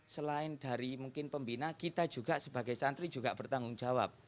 selain dari mungkin pembina kita juga sebagai santri juga bertanggung jawab